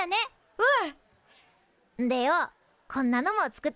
うん。